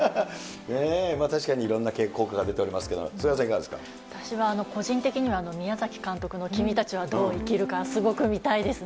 確かにいろんな経済効果出ていると思いますけれども、菅原さん、私は個人的には宮崎監督の君たちはどう生きるか、すごく見たいですね。